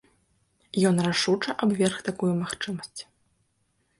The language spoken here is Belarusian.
Ён рашуча абверг такую магчымасць.